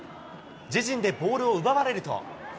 自陣でボールを奪われると。